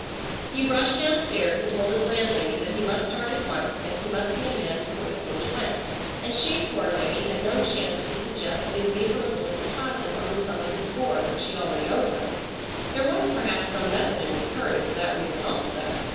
He rushed downstairs and told his landlady that he must start at once, as he must see a man before the coach went, and she, poor lady, had no chance to suggest that he leave her a little deposit on the sum of his board which he already owed her. There was perhaps some method in his hurry for that reason also.